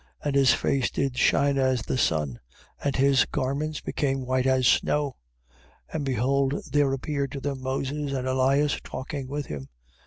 And his face did shine as the sun: and his garments became white as snow. 17:3. And behold there appeared to them Moses and Elias talking with him.